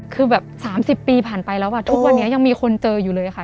คือแบบ๓๐ปีผ่านไปแล้วทุกวันนี้ยังมีคนเจออยู่เลยค่ะ